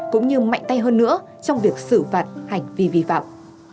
cũng như mạnh tay hơn nữa trong việc xử phạt hành vi vi phạm